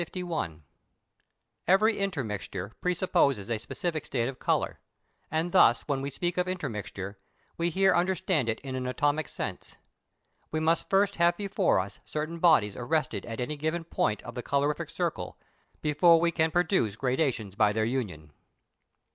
Every intermixture pre supposes a specific state of colour; and thus when we speak of intermixture, we here understand it in an atomic sense. We must first have before us certain bodies arrested at any given point of the colorific circle, before we can produce gradations by their union.